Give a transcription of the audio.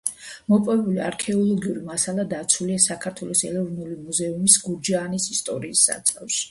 მოპოვებული არქეოლოგიური მასალა დაცულია საქართველოს ეროვნული მუზეუმის გურჯაანის ისტორიის საცავში.